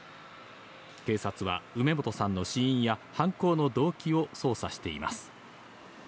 警察は梅本さんの死因や犯行の動機を捜査しています。